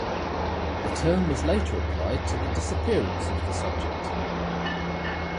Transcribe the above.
The term was later applied to the disappearance of the subject.